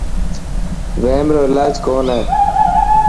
وحم رو علاج ڪونه هي.